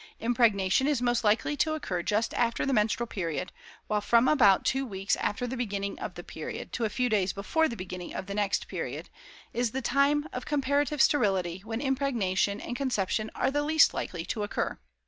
Impregnation is most likely to occur just after the menstrual period; while from about two weeks after the beginning of the period, to a few days before the beginning of the next period, is the time of comparative sterility when impregnation and conception are the least likely to occur.